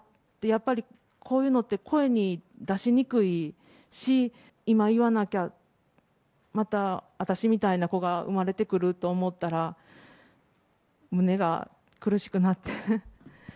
やっぱりこういうのって、声に出しにくいし、今言わなきゃ、また私みたいな子が生まれてくると思ったら、胸が苦しくなって。